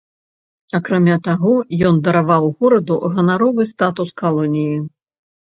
Акрамя таго, ён дараваў гораду ганаровы статус калоніі.